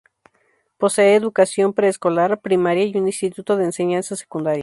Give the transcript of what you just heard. Posee educación preescolar, primaria y un instituto de enseñanza secundaria.